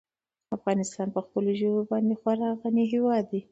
افغانستان په خپلو ژبو باندې خورا غني هېواد دی.